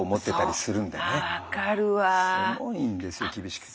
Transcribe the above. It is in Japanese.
すごいんですよ厳しくて。